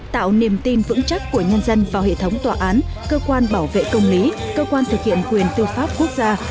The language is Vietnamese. tạo niềm tin vững chắc của nhân dân vào hệ thống tòa án cơ quan bảo vệ công lý cơ quan thực hiện quyền tư pháp quốc gia